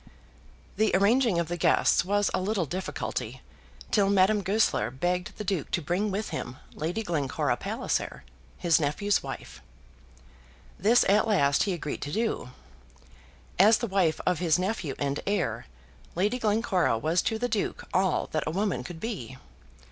The arranging of the guests was a little difficulty, till Madame Goesler begged the Duke to bring with him Lady Glencora Palliser, his nephew's wife. This at last he agreed to do. As the wife of his nephew and heir, Lady Glencora was to the Duke all that a woman could be.